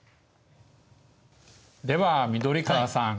では緑川さん